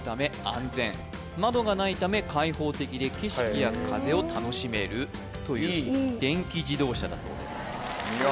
窓がないため開放的で景色や風を楽しめるといういい電気自動車だそうですお見事！